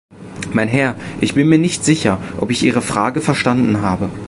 Mein Herr, ich bin mir nicht sicher, ob ich Ihre Frage verstanden habe.